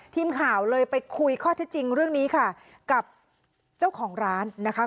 ทีมข่าวเลยไปคุยข้อที่จริงเรื่องนี้ค่ะกับเจ้าของร้านนะคะ